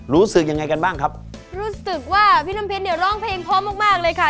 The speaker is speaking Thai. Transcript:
รู้สึกยังไงกันบ้างครับรู้สึกว่าพี่น้ำเพชรเนี่ยร้องเพลงพร้อมมากมากเลยค่ะ